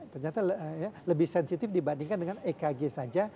ternyata lebih sensitif dibandingkan dengan ekg saja